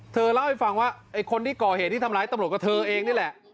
เธอเล่าให้ฟังว่าไอ้คนที่ก่อเหตุที่ทำร้ายตำรวจกับเธอเองนี่แหละ